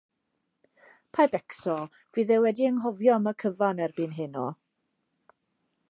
Paid becso, fydd e wedi anghofio am y cyfan erbyn heno.